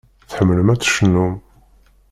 Tḥemmlem ad tecnum.